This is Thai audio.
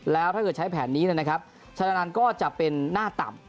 แล้วถ้าเกิดใช้แผนนี้ชนานัลก็จะเป็นหน้าต่ำ